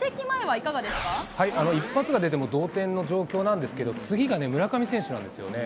一発が出ても、同点の状況なんですけど、次がね、村上選手なんですよね。